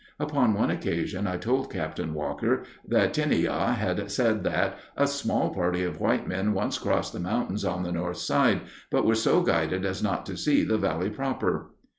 Upon one occasion I told Capt. Walker that Ten ie ya had said that, "A small party of white men once crossed the mountains on the north side, but were so guided as not to see the Valley proper."